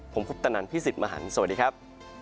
ผมคุปตนันพี่สิทธิ์มหันฯสวัสดีครับ